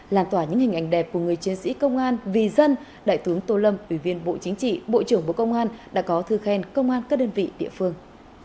làn tỏa những hình ảnh đẹp của người chiến sĩ công an vì dân đại tướng tô lâm ủy viên bộ chính trị bộ trưởng bộ công an đã có thư khen công an các đơn vị địa phương